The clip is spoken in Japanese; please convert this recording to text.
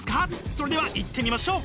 それではいってみましょう！